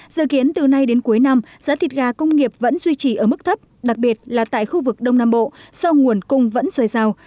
dự kiến từ nay đến cuối năm giá thịt gà công nghiệp vẫn duy trì ở mức thấp đặc biệt là tại khu vực đông nam bộ sau nguồn cung vẫn rời rào